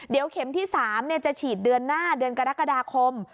เดี๋ยวเข็มที่๓จะฉีดเดือนหน้าเดือนกรกฎาคม